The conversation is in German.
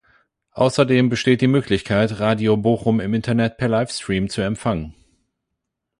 Außerdem besteht die Möglichkeit, Radio Bochum im Internet per Live-Stream zu empfangen.